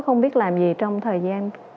không biết làm gì trong thời gian